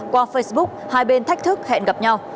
qua facebook hai bên thách thức hẹn gặp nhau